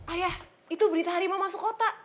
ayah itu berita harimau masuk kota